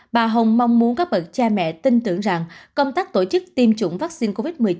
bà hồng mong muốn các bậc cha mẹ tin tưởng rằng công tác tổ chức tiêm chủng vaccine covid một mươi chín